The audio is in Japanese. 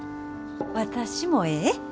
私もええ？